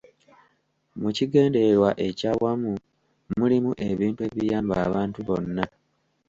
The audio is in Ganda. Mu kigendererwa ekyawamu mulimu ebintu ebiyamba abantu bonna.